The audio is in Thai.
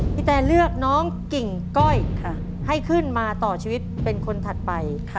แตนเลือกน้องกิ่งก้อยให้ขึ้นมาต่อชีวิตเป็นคนถัดไป